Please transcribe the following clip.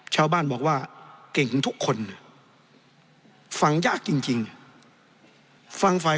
ชาวบ้านบอกว่า